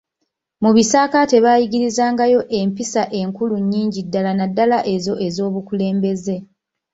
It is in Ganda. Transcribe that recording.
Mu bisaakaate baayigirangayo empisa enkulu nnyingi ddala naddala ezo ez’obukulembeze.